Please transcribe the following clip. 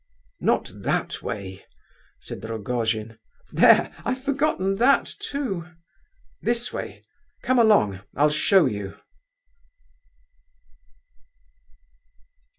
"Not that way," said Rogojin. "There, I've forgotten that too!" "This way—come along—I'll show you."